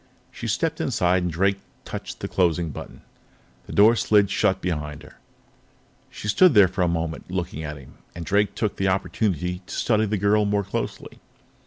She stepped inside, and Drake touched the closing button. The door slid shut behind her. She stood there for a moment, looking at him, and Drake took the opportunity to study the girl more closely.